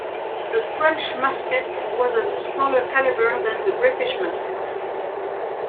The French musket was of a smaller caliber than the British musket.